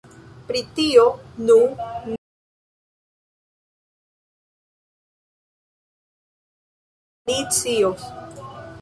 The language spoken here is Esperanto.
Pri tio, nu, ni scios.